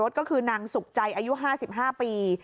ก็คือนางสุขใจอายุ๕๕ปี